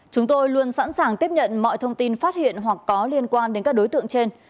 chúng tôi luôn sẵn sàng tiếp nhận mọi thông tin phát hiện hoặc có liên quan đến các đối tượng trên